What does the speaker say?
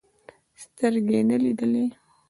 سترګې يې نه لیدلې.